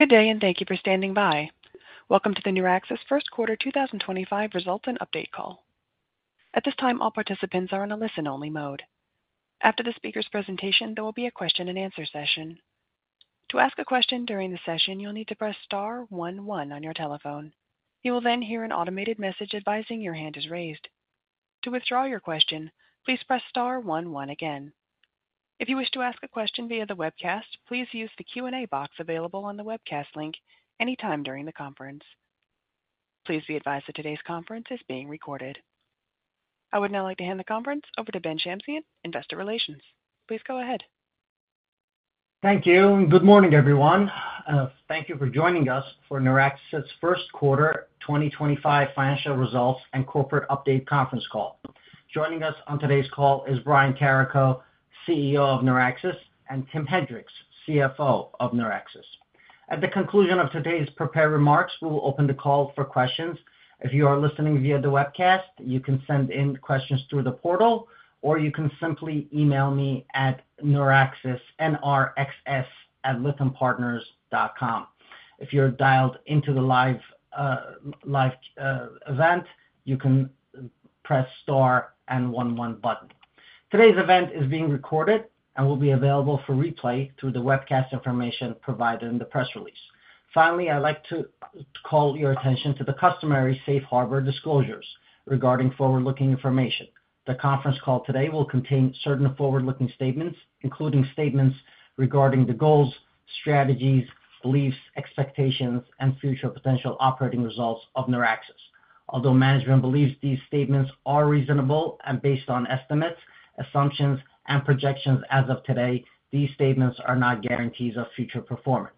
Good day, and thank you for standing by. Welcome to the NeurAxis First Quarter 2025 Results and Update Call. At this time, all participants are in a listen-only mode. After the speaker's presentation, there will be a question-and-answer session. To ask a question during the session, you'll need to press star one one on your telephone. You will then hear an automated message advising your hand is raised. To withdraw your question, please press star one one again. If you wish to ask a question via the webcast, please use the Q&A box available on the webcast link anytime during the conference. Please be advised that today's conference is being recorded. I would now like to hand the conference over to Ben Shamsian at Investor Relations. Please go ahead. Thank you, and good morning, everyone. Thank you for joining us for NeurAxis' First Quarter 2025 Financial Results and Corporate Update Conference Call. Joining us on today's call is Brian Carrico, CEO of NeurAxis, and Tim Henrichs, CFO of NeurAxis. At the conclusion of today's prepared remarks, we will open the call for questions. If you are listening via the webcast, you can send in questions through the portal, or you can simply email me at neuraxisnrxs@lythampartners.com. If you're dialed into the live event, you can press star and one one button. Today's event is being recorded and will be available for replay through the webcast information provided in the press release. Finally, I'd like to call your attention to the customary safe harbor disclosures regarding forward-looking information. The conference call today will contain certain forward-looking statements, including statements regarding the goals, strategies, beliefs, expectations, and future potential operating results of NeurAxis. Although management believes these statements are reasonable and based on estimates, assumptions, and projections as of today, these statements are not guarantees of future performance.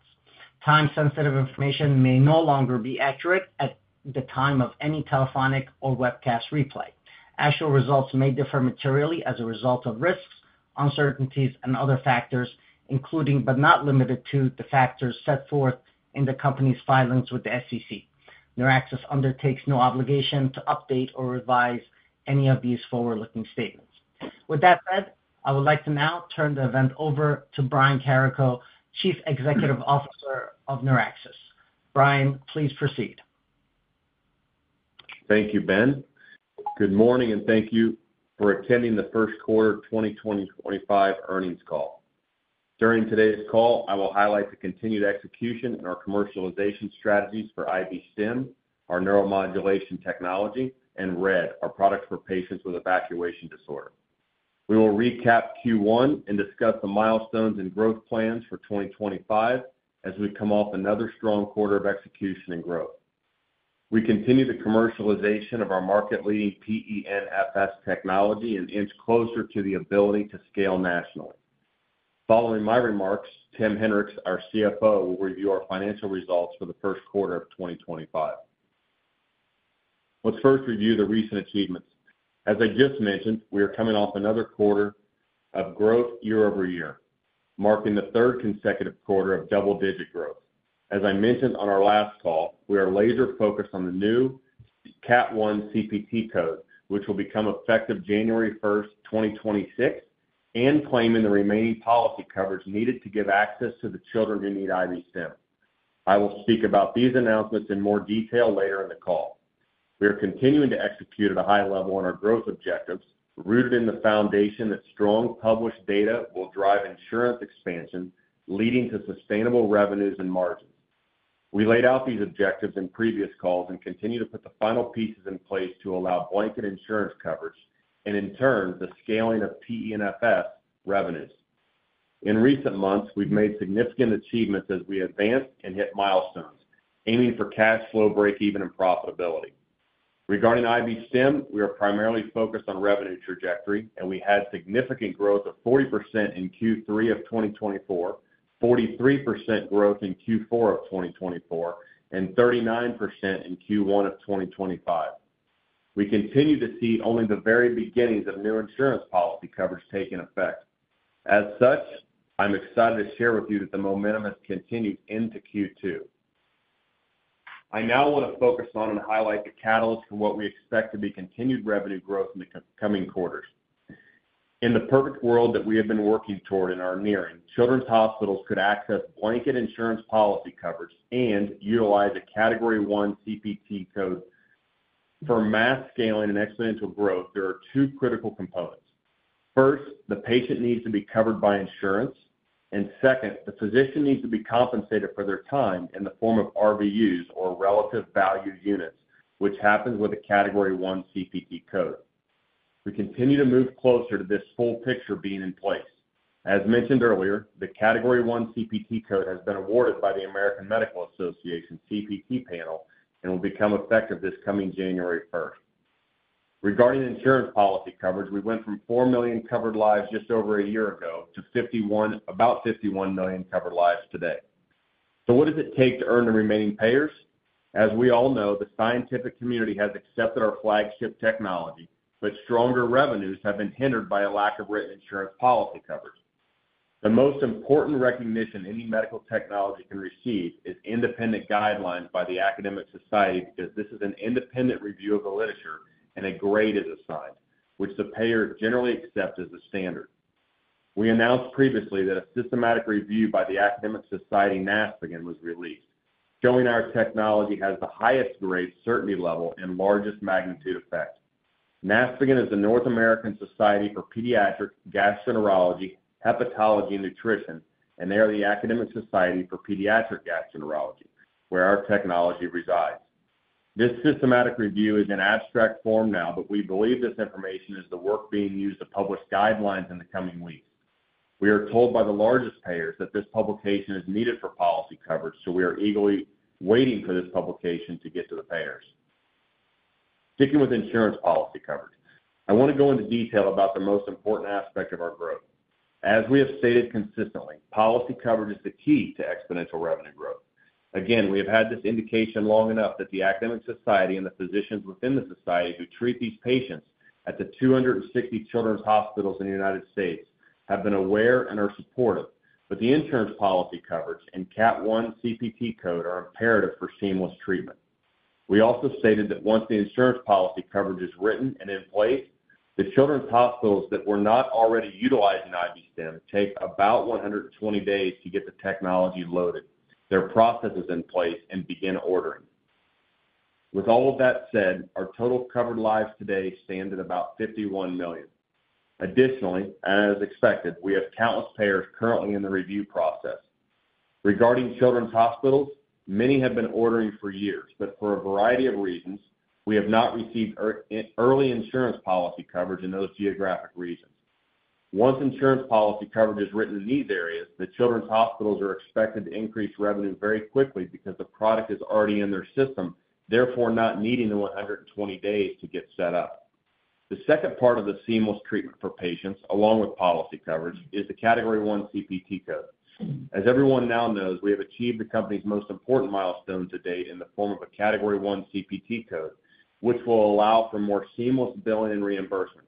Time-sensitive information may no longer be accurate at the time of any telephonic or webcast replay. Actual results may differ materially as a result of risks, uncertainties, and other factors, including but not limited to the factors set forth in the company's filings with the SEC. NeurAxis undertakes no obligation to update or revise any of these forward-looking statements. With that said, I would like to now turn the event over to Brian Carrico, Chief Executive Officer of NeurAxis. Brian, please proceed. Thank you, Ben. Good morning, and thank you for attending the First Quarter 2025 Earnings Call. During today's call, I will highlight the continued execution in our commercialization strategies for IB-Stim, our neuromodulation technology, and RED, our product for patients with evacuation disorder. We will recap Q1 and discuss the milestones and growth plans for 2025 as we come off another strong quarter of execution and growth. We continue the commercialization of our market-leading PENFS technology and inch closer to the ability to scale nationally. Following my remarks, Tim Henrichs, our CFO, will review our financial results for the first quarter of 2025. Let's first review the recent achievements. As I just mentioned, we are coming off another quarter of growth year-over-year, marking the third consecutive quarter of double-digit growth. As I mentioned on our last call, we are laser-focused on the new Category I CPT code, which will become effective January 1st, 2026, and claiming the remaining policy coverage needed to give access to the children who need IB-Stim. I will speak about these announcements in more detail later in the call. We are continuing to execute at a high level on our growth objectives, rooted in the foundation that strong published data will drive insurance expansion, leading to sustainable revenues and margins. We laid out these objectives in previous calls and continue to put the final pieces in place to allow blanket insurance coverage and, in turn, the scaling of PENFS revenues. In recent months, we've made significant achievements as we advanced and hit milestones, aiming for cash flow break-even and profitability. Regarding IB-Stim, we are primarily focused on revenue trajectory, and we had significant growth of 40% in Q3 of 2024, 43% growth in Q4 of 2024, and 39% in Q1 of 2025. We continue to see only the very beginnings of new insurance policy coverage taking effect. As such, I'm excited to share with you that the momentum has continued into Q2. I now want to focus on and highlight the catalyst for what we expect to be continued revenue growth in the coming quarters. In the perfect world that we have been working toward and are nearing, children's hospitals could access blanket insurance policy coverage and utilize a Category I CPT code. For mass scaling and exponential growth, there are two critical components. First, the patient needs to be covered by insurance, and second, the physician needs to be compensated for their time in the form of RVUs, or relative value units, which happens with a Category I CPT code. We continue to move closer to this full picture being in place. As mentioned earlier, the Category I CPT code has been awarded by the American Medical Association CPT panel and will become effective this coming January 1st. Regarding insurance policy coverage, we went from 4 million covered lives just over a year ago to about 51 million covered lives today. What does it take to earn the remaining payers? As we all know, the scientific community has accepted our flagship technology, but stronger revenues have been hindered by a lack of written insurance policy coverage. The most important recognition any medical technology can receive is independent guidelines by the academic society because this is an independent review of the literature, and a grade is assigned, which the payer generally accepts as the standard. We announced previously that a systematic review by the academic society NASPGHAN was released, showing our technology has the highest grade, certainty level, and largest magnitude effect. NASPGHAN is the North American Society for Pediatric Gastroenterology, Hepatology, and Nutrition, and they are the academic society for pediatric gastroenterology, where our technology resides. This systematic review is in abstract form now, but we believe this information is the work being used to publish guidelines in the coming weeks. We are told by the largest payers that this publication is needed for policy coverage, so we are eagerly waiting for this publication to get to the payers. Sticking with insurance policy coverage, I want to go into detail about the most important aspect of our growth. As we have stated consistently, policy coverage is the key to exponential revenue growth. Again, we have had this indication long enough that the academic society and the physicians within the society who treat these patients at the 260 children's hospitals in the United States have been aware and are supportive, but the insurance policy coverage and Category I CPT code are imperative for seamless treatment. We also stated that once the insurance policy coverage is written and in place, the children's hospitals that were not already utilizing IB-Stim take about 120 days to get the technology loaded, their processes in place, and begin ordering. With all of that said, our total covered lives today stand at about 51 million. Additionally, as expected, we have countless payers currently in the review process. Regarding children's hospitals, many have been ordering for years, but for a variety of reasons, we have not received early insurance policy coverage in those geographic regions. Once insurance policy coverage is written in these areas, the children's hospitals are expected to increase revenue very quickly because the product is already in their system, therefore not needing the 120 days to get set up. The second part of the seamless treatment for patients, along with policy coverage, is the Category I CPT code. As everyone now knows, we have achieved the company's most important milestone to date in the form of a Category I CPT code, which will allow for more seamless billing and reimbursement.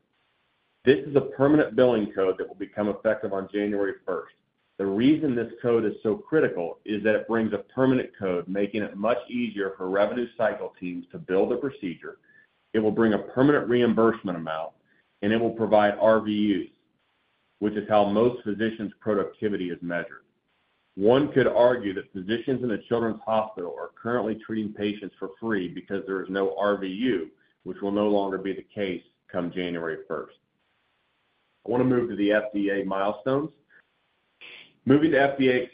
This is a permanent billing code that will become effective on January 1st. The reason this code is so critical is that it brings a permanent code, making it much easier for revenue cycle teams to bill the procedure. It will bring a permanent reimbursement amount, and it will provide RVUs, which is how most physicians' productivity is measured. One could argue that physicians in the children's hospital are currently treating patients for free because there is no RVU, which will no longer be the case come January 1st. I want to move to the FDA milestones. Moving to FDA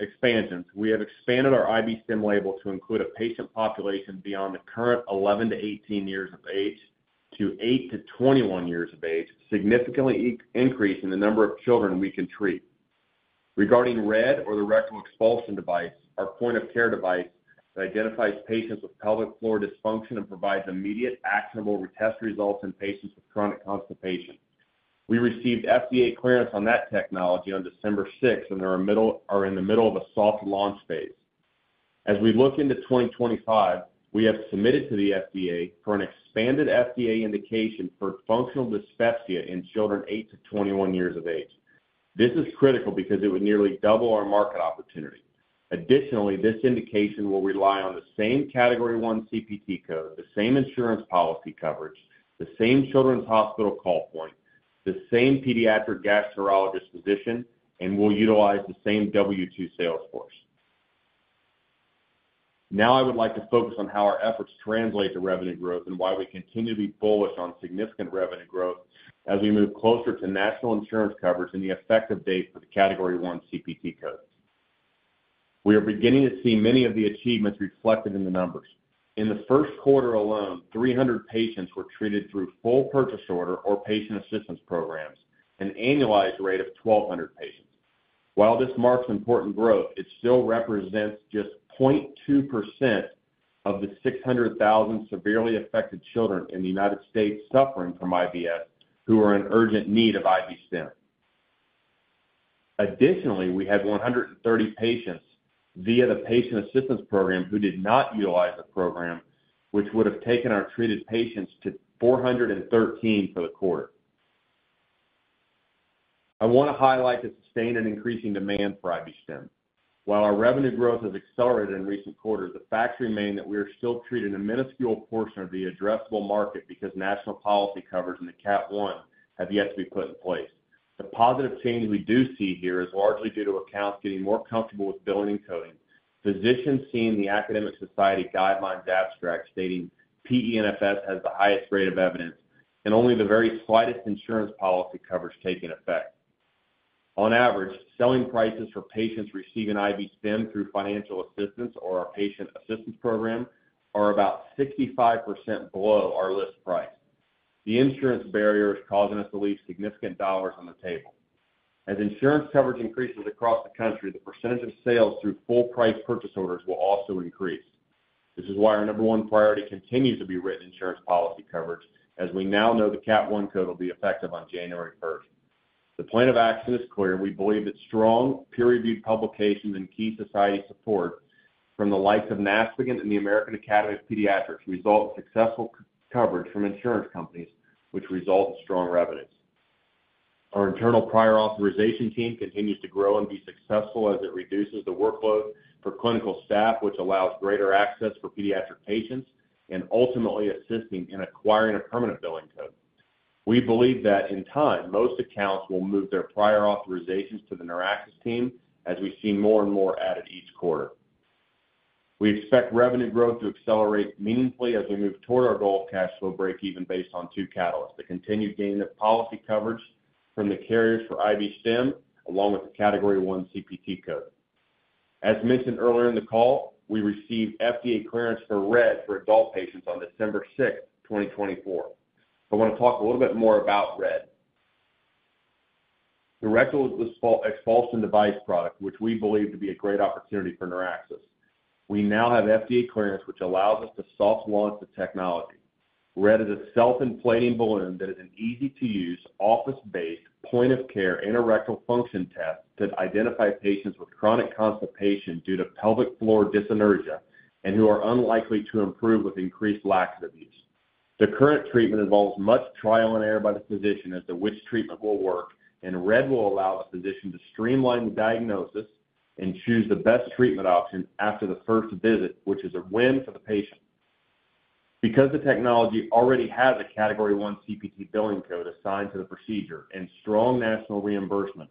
expansions, we have expanded our IB-Stim label to include a patient population beyond the current 11-18 years of age to 8-21 years of age, significantly increasing the number of children we can treat. Regarding RED, or the rectal expulsion device, our point of care device identifies patients with pelvic floor dysfunction and provides immediate, actionable test results in patients with chronic constipation. We received FDA 510(k) clearance on that technology on December 6, and they are in the middle of a soft launch phase. As we look into 2025, we have submitted to the FDA for an expanded FDA indication for functional dyspepsia in children 8-21 years of age. This is critical because it would nearly double our market opportunity. Additionally, this indication will rely on the same Category I CPT code, the same insurance policy coverage, the same children's hospital call point, the same pediatric gastroenterologist physician, and will utilize the same W-2 salesforce. Now, I would like to focus on how our efforts translate to revenue growth and why we continue to be bullish on significant revenue growth as we move closer to national insurance coverage and the effective date for the Category I CPT code. We are beginning to see many of the achievements reflected in the numbers. In the first quarter alone, 300 patients were treated through full purchase order or patient assistance programs, an annualized rate of 1,200 patients. While this marks important growth, it still represents just 0.2% of the 600,000 severely affected children in the United States suffering from IBS who are in urgent need of IB-Stim. Additionally, we had 130 patients via the patient assistance program who did not utilize the program, which would have taken our treated patients to 413 for the quarter. I want to highlight the sustained and increasing demand for IB-Stim. While our revenue growth has accelerated in recent quarters, the facts remain that we are still treating a minuscule portion of the addressable market because national policy covers in the Category I have yet to be put in place. The positive change we do see here is largely due to accounts getting more comfortable with billing and coding, physicians seeing the academic society guidelines abstract stating PENFS has the highest rate of evidence, and only the very slightest insurance policy coverage taking effect. On average, selling prices for patients receiving IB-Stim through financial assistance or our patient assistance program are about 65% below our list price. The insurance barrier is causing us to leave significant dollars on the table. As insurance coverage increases across the country, the percentage of sales through full price purchase orders will also increase. This is why our number one priority continues to be written insurance policy coverage, as we now know the Category I code will be effective on January 1st. The plan of action is clear. We believe that strong, peer-reviewed publications and key society support from the likes of NASPGHAN and the American Academy of Pediatrics result in successful coverage from insurance companies, which results in strong revenues. Our internal prior authorization team continues to grow and be successful as it reduces the workload for clinical staff, which allows greater access for pediatric patients and ultimately assisting in acquiring a permanent billing code. We believe that in time, most accounts will move their prior authorizations to the NeurAxis team as we see more and more added each quarter. We expect revenue growth to accelerate meaningfully as we move toward our goal of cash flow break-even based on two catalysts: the continued gain of policy coverage from the carriers for IB-Stim, along with the Category I CPT code. As mentioned earlier in the call, we received FDA 510(k) clearance for RED for adult patients on December 6, 2024. I want to talk a little bit more about RED. The Rectal Expulsion Device product, which we believe to be a great opportunity for NeurAxis. We now have FDA 510(k) clearance, which allows us to soft launch the technology. RED is a self-inflating balloon that is an easy-to-use, office-based, point-of-care anorectal function test to identify patients with chronic constipation due to pelvic floor dyssynergia and who are unlikely to improve with increased laxative use. The current treatment involves much trial and error by the physician as to which treatment will work, and RED will allow the physician to streamline the diagnosis and choose the best treatment option after the first visit, which is a win for the patient. Because the technology already has a Category I CPT billing code assigned to the procedure and strong national reimbursement,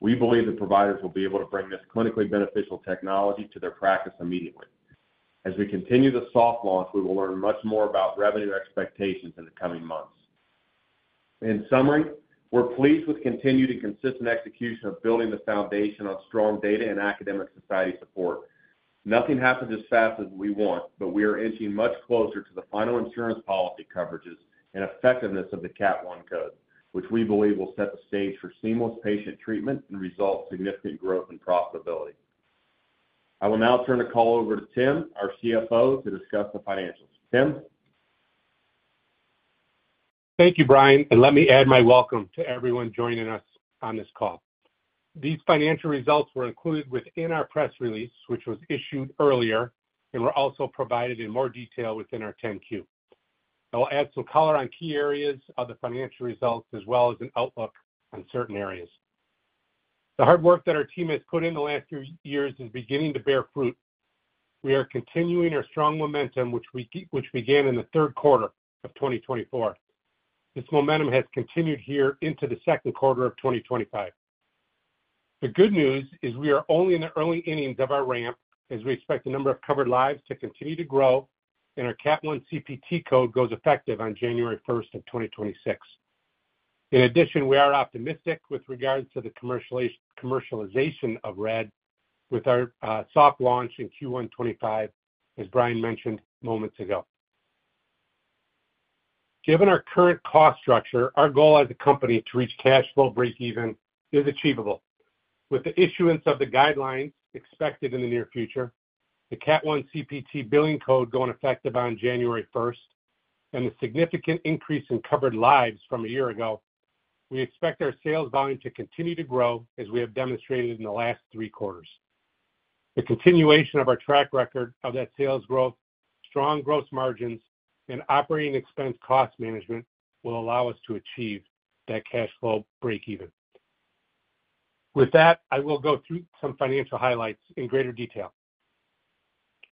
we believe the providers will be able to bring this clinically beneficial technology to their practice immediately. As we continue the soft launch, we will learn much more about revenue expectations in the coming months. In summary, we're pleased with continued and consistent execution of building the foundation on strong data and academic society support. Nothing happens as fast as we want, but we are inching much closer to the final insurance policy coverages and effectiveness of the Cat I code, which we believe will set the stage for seamless patient treatment and result in significant growth and profitability. I will now turn the call over to Tim, our CFO, to discuss the financials. Tim. Thank you, Brian, and let me add my welcome to everyone joining us on this call. These financial results were included within our press release, which was issued earlier, and were also provided in more detail within our 10-Q. I will add some color on key areas of the financial results, as well as an outlook on certain areas. The hard work that our team has put in the last few years is beginning to bear fruit. We are continuing our strong momentum, which began in the third quarter of 2024. This momentum has continued here into the second quarter of 2025. The good news is we are only in the early innings of our ramp as we expect the number of covered lives to continue to grow, and our Cat I CPT code goes effective on January 1st, 2026. In addition, we are optimistic with regards to the commercialization of RED with our soft launch in Q1 2025, as Brian mentioned moments ago. Given our current cost structure, our goal as a company to reach cash flow break-even is achievable. With the issuance of the guidelines expected in the near future, the Category I CPT billing code going effective on January 1st, and the significant increase in covered lives from a year ago, we expect our sales volume to continue to grow as we have demonstrated in the last three quarters. The continuation of our track record of that sales growth, strong gross margins, and operating expense cost management will allow us to achieve that cash flow break-even. With that, I will go through some financial highlights in greater detail.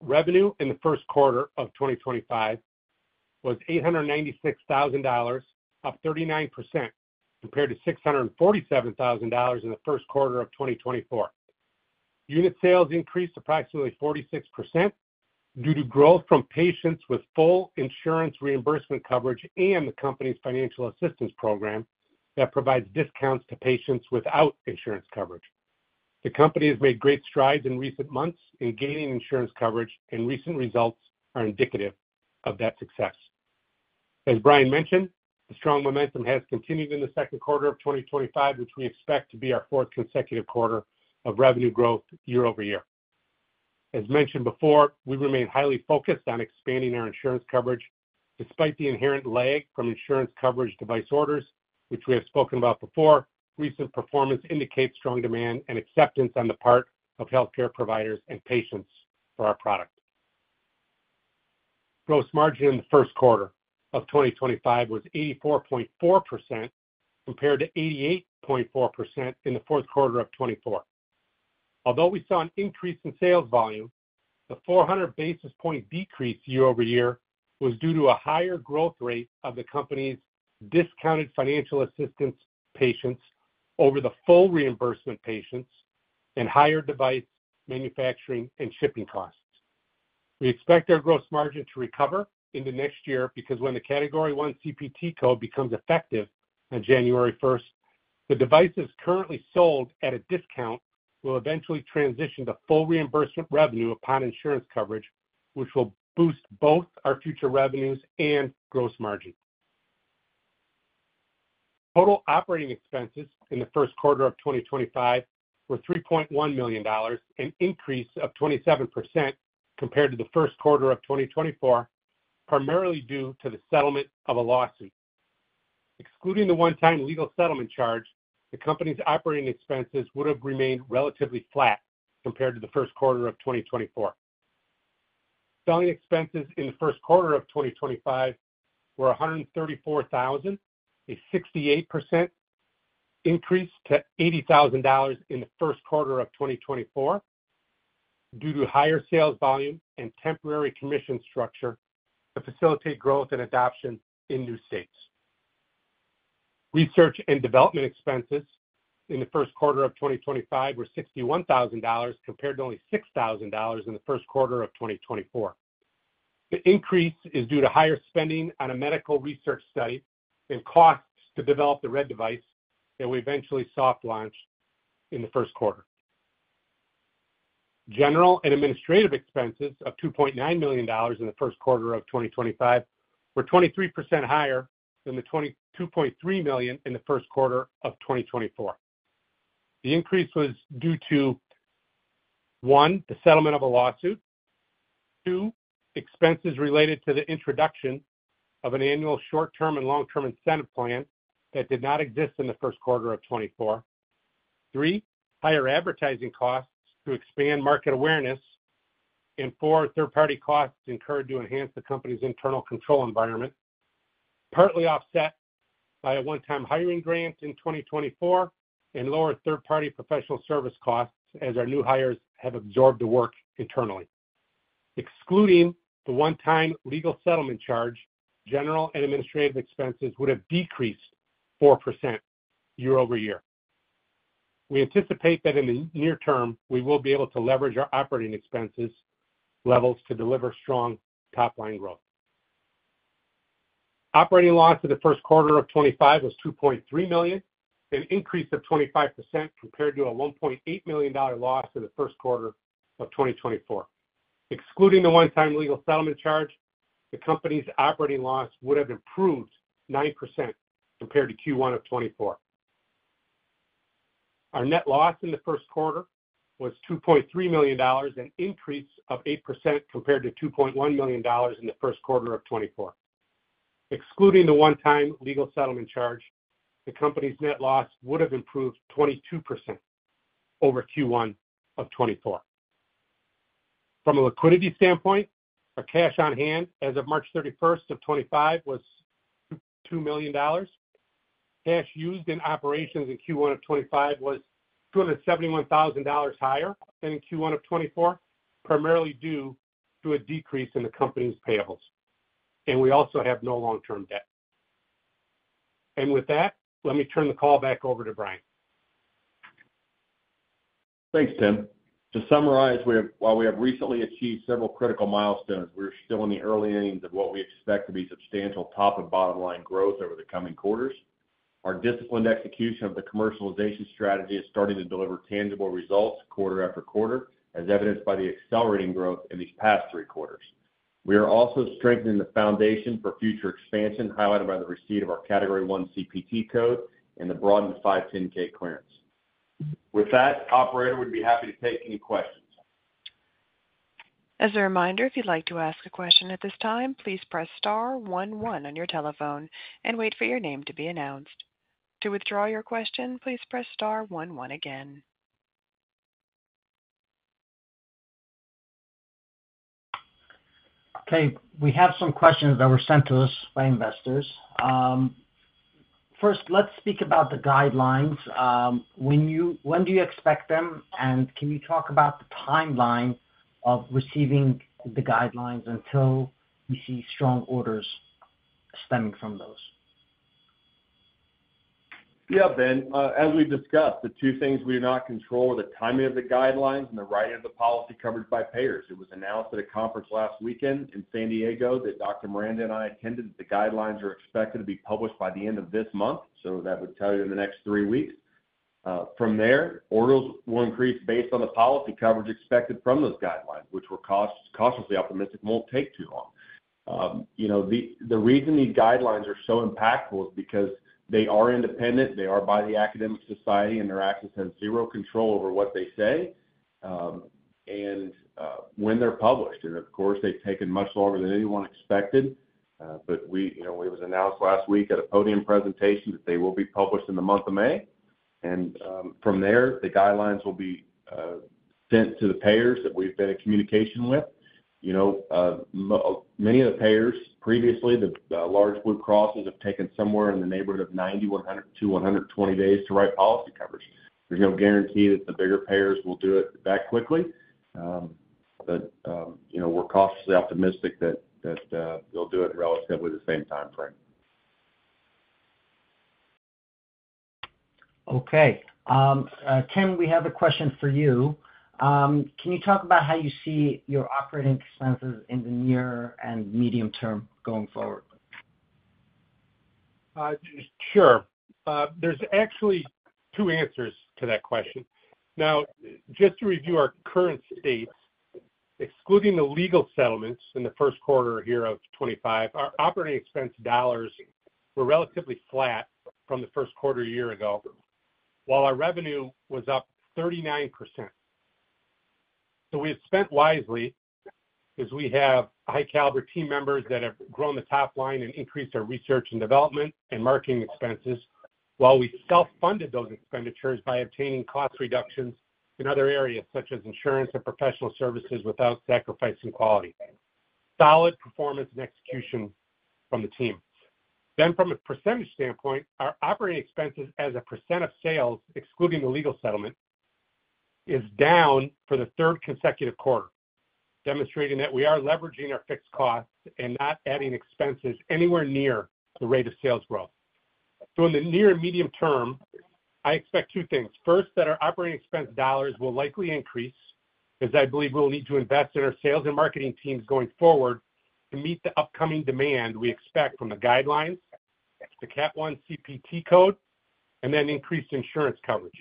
Revenue in the first quarter of 2025 was $896,000, up 39% compared to $647,000 in the first quarter of 2024. Unit sales increased approximately 46% due to growth from patients with full insurance reimbursement coverage and the company's financial assistance program that provides discounts to patients without insurance coverage. The company has made great strides in recent months in gaining insurance coverage, and recent results are indicative of that success. As Brian mentioned, the strong momentum has continued in the second quarter of 2025, which we expect to be our fourth consecutive quarter of revenue growth year-over-year. As mentioned before, we remain highly focused on expanding our insurance coverage. Despite the inherent lag from insurance coverage device orders, which we have spoken about before, recent performance indicates strong demand and acceptance on the part of healthcare providers and patients for our product. Gross margin in the first quarter of 2025 was 84.4% compared to 88.4% in the fourth quarter of 2024. Although we saw an increase in sales volume, the 400 basis point decrease year-over-year was due to a higher growth rate of the company's discounted financial assistance patients over the full reimbursement patients and higher device manufacturing and shipping costs. We expect our gross margin to recover in the next year because when the Category I CPT code becomes effective on January 1st, the devices currently sold at a discount will eventually transition to full reimbursement revenue upon insurance coverage, which will boost both our future revenues and gross margin. Total operating expenses in the first quarter of 2025 were $3.1 million, an increase of 27% compared to the first quarter of 2024, primarily due to the settlement of a lawsuit. Excluding the one-time legal settlement charge, the company's operating expenses would have remained relatively flat compared to the first quarter of 2024. Billing expenses in the first quarter of 2025 were $134,000, a 68% increase to $80,000 in the first quarter of 2024 due to higher sales volume and temporary commission structure to facilitate growth and adoption in new states. Research and development expenses in the first quarter of 2025 were $61,000 compared to only $6,000 in the first quarter of 2024. The increase is due to higher spending on a medical research study and costs to develop the RED device that we eventually soft launched in the first quarter. General and administrative expenses of $2.9 million in the first quarter of 2025 were 23% higher than the $2.3 million in the first quarter of 2024. The increase was due to, one, the settlement of a lawsuit, two, expenses related to the introduction of an annual short-term and long-term incentive plan that did not exist in the first quarter of 2024, three, higher advertising costs to expand market awareness, and four, third-party costs incurred to enhance the company's internal control environment, partly offset by a one-time hiring grant in 2024 and lower third-party professional service costs as our new hires have absorbed the work internally. Excluding the one-time legal settlement charge, general and administrative expenses would have decreased 4% year-over-year. We anticipate that in the near term, we will be able to leverage our operating expenses levels to deliver strong top-line growth. Operating loss of the first quarter of 2025 was $2.3 million, an increase of 25% compared to a $1.8 million loss in the first quarter of 2024. Excluding the one-time legal settlement charge, the company's operating loss would have improved 9% compared to Q1 of 2024. Our net loss in the first quarter was $2.3 million, an increase of 8% compared to $2.1 million in the first quarter of 2024. Excluding the one-time legal settlement charge, the company's net loss would have improved 22% over Q1 of 2024. From a liquidity standpoint, our cash on hand as of March 31st of 2025 was $2.2 million. Cash used in operations in Q1 of 2025 was $271,000 higher than in Q1 of 2024, primarily due to a decrease in the company's payables. We also have no long-term debt. With that, let me turn the call back over to Brian. Thanks, Tim. To summarize, while we have recently achieved several critical milestones, we're still in the early innings of what we expect to be substantial top and bottom-line growth over the coming quarters. Our disciplined execution of the commercialization strategy is starting to deliver tangible results quarter after quarter, as evidenced by the accelerating growth in these past three quarters. We are also strengthening the foundation for future expansion highlighted by the receipt of our Category I CPT code and the broadened 510(k) clearance. With that, Operator would be happy to take any questions. As a reminder, if you'd like to ask a question at this time, please press star 1-1 on your telephone and wait for your name to be announced. To withdraw your question, please press star 1-1 again. Okay. We have some questions that were sent to us by investors. First, let's speak about the guidelines. When do you expect them, and can you talk about the timeline of receiving the guidelines until you see strong orders stemming from those? Yeah, Ben, as we discussed, the two things we do not control are the timing of the guidelines and the writing of the policy coverage by payers. It was announced at a conference last weekend in San Diego that Dr. Miranda and I attended that the guidelines are expected to be published by the end of this month, so that would tell you in the next three weeks. From there, orders will increase based on the policy coverage expected from those guidelines, which we're cautiously optimistic won't take too long. The reason these guidelines are so impactful is because they are independent, they are by the academic society, and NeurAxis has zero control over what they say and when they're published. Of course, they've taken much longer than anyone expected, but it was announced last week at a podium presentation that they will be published in the month of May. From there, the guidelines will be sent to the payers that we've been in communication with. Many of the payers previously, the large Blue Crosses, have taken somewhere in the neighborhood of 90-120 days to write policy coverage. There's no guarantee that the bigger payers will do it that quickly, but we're cautiously optimistic that they'll do it in relatively the same timeframe. Okay. Tim, we have a question for you. Can you talk about how you see your operating expenses in the near and medium term going forward? Sure. There's actually two answers to that question. Now, just to review our current states, excluding the legal settlements in the first quarter here of 2025, our operating expense dollars were relatively flat from the first quarter a year ago, while our revenue was up 39%. We have spent wisely as we have high-caliber team members that have grown the top line and increased our research and development and marketing expenses, while we self-funded those expenditures by obtaining cost reductions in other areas such as insurance and professional services without sacrificing quality. Solid performance and execution from the team. From a percentage standpoint, our operating expenses as a percent of sales, excluding the legal settlement, is down for the third consecutive quarter, demonstrating that we are leveraging our fixed costs and not adding expenses anywhere near the rate of sales growth. In the near and medium term, I expect two things. First, that our operating expense dollars will likely increase as I believe we'll need to invest in our sales and marketing teams going forward to meet the upcoming demand we expect from the guidelines, the Cat I CPT code, and then increased insurance coverage.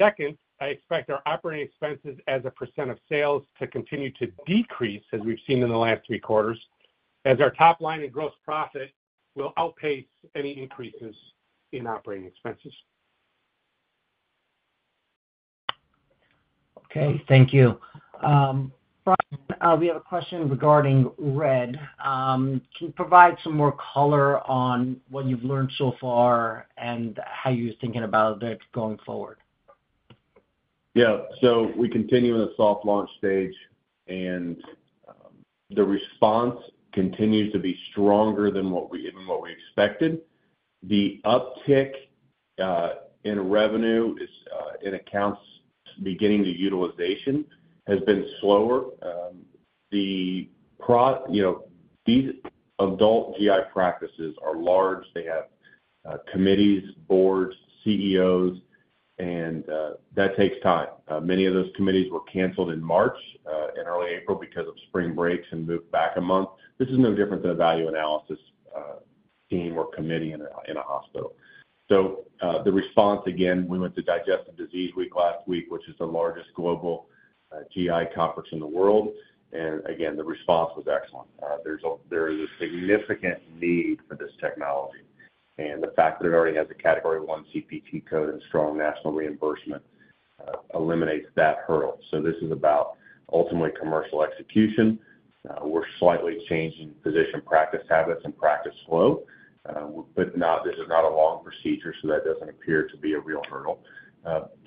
Second, I expect our operating expenses as a percent of sales to continue to decrease as we've seen in the last three quarters as our top line and gross profit will outpace any increases in operating expenses. Okay. Thank you. Brian, we have a question regarding RED. Can you provide some more color on what you've learned so far and how you're thinking about it going forward? Yeah. So we continue in the soft launch stage, and the response continues to be stronger than what we expected. The uptick in revenue and accounts beginning the utilization has been slower. These adult GI practices are large. They have committees, boards, CEOs, and that takes time. Many of those committees were canceled in March and early April because of spring breaks and moved back a month. This is no different than a value analysis team or committee in a hospital. The response, again, we went to Digestive Disease Week last week, which is the largest global GI conference in the world. The response was excellent. There is a significant need for this technology. The fact that it already has a Category I CPT code and strong national reimbursement eliminates that hurdle. This is about ultimately commercial execution. We're slightly changing physician practice habits and practice flow, but this is not a long procedure, so that does not appear to be a real hurdle.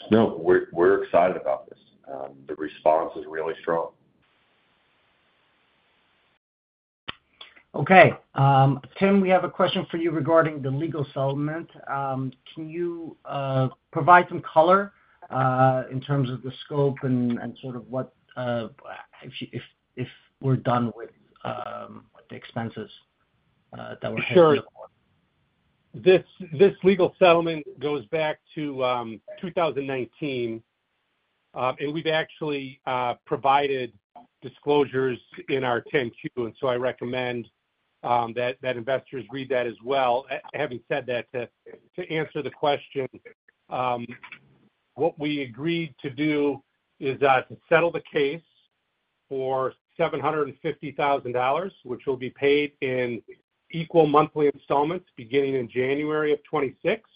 No, we're excited about this. The response is really strong. Okay. Tim, we have a question for you regarding the legal settlement. Can you provide some color in terms of the scope and sort of if we're done with the expenses that we're heading for? Sure. This legal settlement goes back to 2019, and we've actually provided disclosures in our 10-Q. I recommend that investors read that as well. Having said that, to answer the question, what we agreed to do is to settle the case for $750,000, which will be paid in equal monthly installments beginning in January of 2026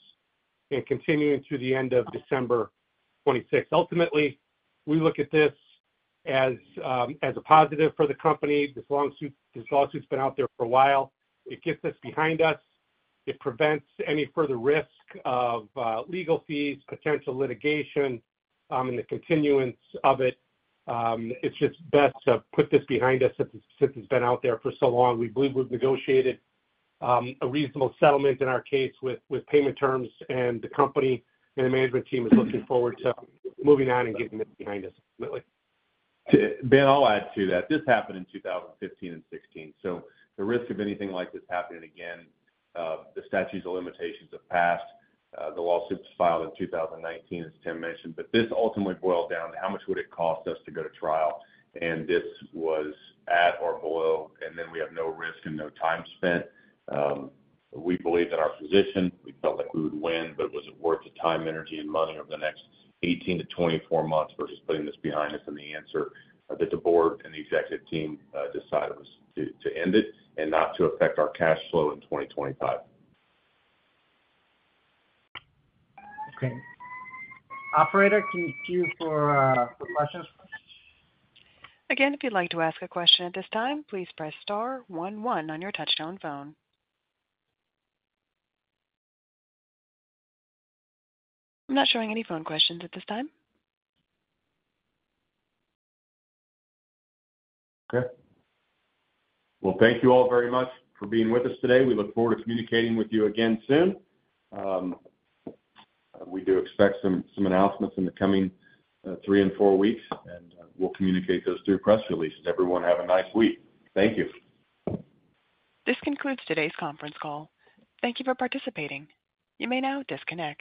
and continuing through the end of December 2026. Ultimately, we look at this as a positive for the company. This lawsuit's been out there for a while. It gets us behind us. It prevents any further risk of legal fees, potential litigation, and the continuance of it. It's just best to put this behind us since it's been out there for so long. We believe we've negotiated a reasonable settlement in our case with payment terms, and the company and the management team are looking forward to moving on and getting this behind us ultimately. Ben, I'll add to that. This happened in 2015 and 2016. The risk of anything like this happening again, the statutes of limitations have passed. The lawsuit was filed in 2019, as Tim mentioned. This ultimately boiled down to how much would it cost us to go to trial? This was at our boil, and then we have no risk and no time spent. We believe in our position. We felt like we would win, but it wasn't worth the time, energy, and money over the next 18 months-24 months versus putting this behind us. The answer that the board and the executive team decided was to end it and not to affect our cash flow in 2025. Okay. Operator, can you queue for questions? Again, if you'd like to ask a question at this time, please press star one one on your touch-tone phone. I'm not showing any phone questions at this time. Okay. Thank you all very much for being with us today. We look forward to communicating with you again soon. We do expect some announcements in the coming three and four weeks, and we'll communicate those through press releases. Everyone, have a nice week. Thank you. This concludes today's conference call. Thank you for participating. You may now disconnect.